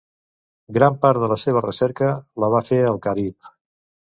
Gran part de la seva recerca la va fer al Carib.